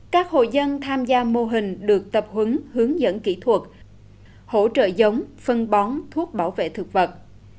các hộ dân tham gia mô hình được tập hướng hướng dẫn kỹ thuật hỗ trợ giống phân bón thuốc bảo vệ thực vật